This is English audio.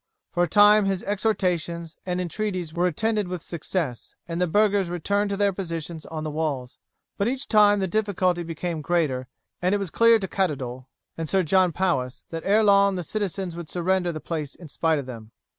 For a time his exhortations and entreaties were attended with success, and the burghers returned to their positions on the walls; but each time the difficulty became greater, and it was clear to Caddoudal and Sir John Powis that ere long the citizens would surrender the place in spite of them.